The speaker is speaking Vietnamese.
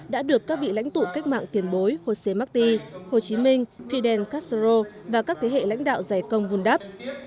đã được các vị lãnh tụ cách mạng tiền bối jose marti hồ chí minh fidel castro và các thế hệ lãnh đạo giải công vun đắp